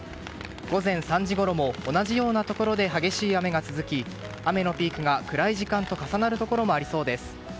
午前３時ごろも同じようなところで激しい雨が続き、雨のピークが暗い時間と重なるところもありそうです。